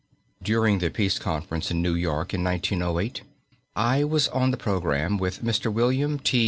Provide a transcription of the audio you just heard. During the Peace Conference in New York in 1908 I was on the programme with Mr. William T.